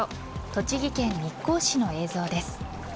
栃木県日光市の映像です。